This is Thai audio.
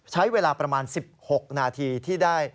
ใช้เวลาประมาณ๑๖นาทีที่ได้